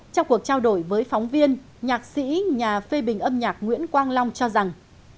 trong cuộc trao đổi với phóng viên nhạc sĩ nhà phê bình âm nhạc nguyễn quang long cho rằng